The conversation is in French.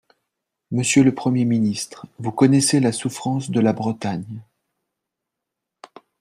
Monsieur le Premier Ministre, vous connaissez la souffrance de la Bretagne.